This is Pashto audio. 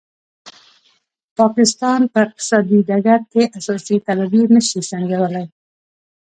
پاکستان په اقتصادي ډګر کې اساسي تدابیر نه شي سنجولای.